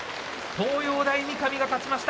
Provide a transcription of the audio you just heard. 東洋大、三上が勝ちました。